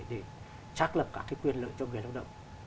để xác lập các quyền lợi cho người lao động